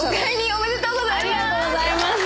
おめでとうございます。